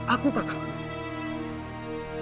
aku tak akan